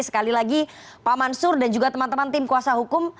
sekali lagi pak mansur dan juga teman teman tim kuasa hukum